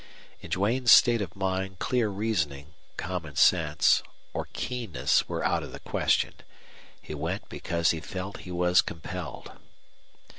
In Duane's state of mind clear reasoning, common sense, or keenness were out of the question. He went because he felt he was compelled.